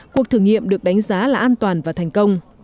cuộc thử nghiệm được đánh giá là an toàn và thành công